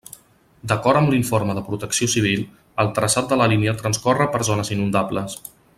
D'acord amb l'informe de Protecció Civil, el traçat de la línia transcorre per zones inundables.